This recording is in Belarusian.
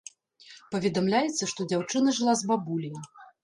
Паведамляецца, што дзяўчына жыла з бабуляй.